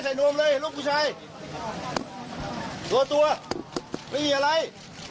แล้วเรียนมืออะไร